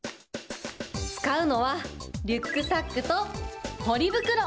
使うのは、リュックサックとポリ袋。